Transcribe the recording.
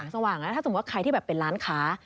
แสงสว่างถ้าใครที่เป็นร้านค้า